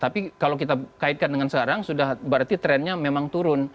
tapi kalau kita kaitkan dengan sekarang sudah berarti trennya memang turun